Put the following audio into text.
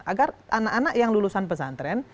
agar anak anak yang lulusan pesantren